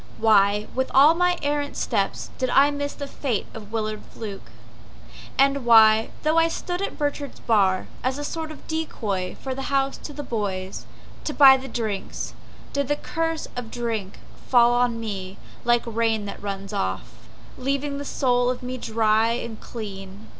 Why, with all of my errant steps Did I miss the fate of Willard Fluke? And why, though I stood at Burchard's bar, As a sort of decoy for the house to the boys To buy the drinks, did the curse of drink Fall on me like rain that runs off, Leaving the soul of me dry and clean?